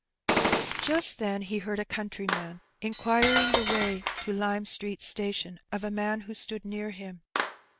Just then he heard a countryman inquiring the way to Lime Street Station, of a man who stood near him.